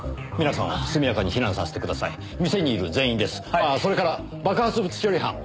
ああそれから爆発物処理班を。